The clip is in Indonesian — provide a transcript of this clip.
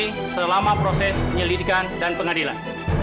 harus menahan dewi selama proses penyelidikan dan pengadilan